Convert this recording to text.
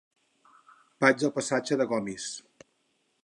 Vaig al passatge de Gomis.